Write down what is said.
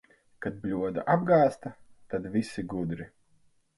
Kad bļoda apgāzta, tad visi gudri.